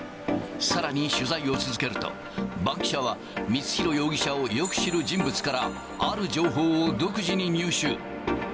さらに取材を続けると、バンキシャは光弘容疑者をよく知る人物から、ある情報を独自に入手。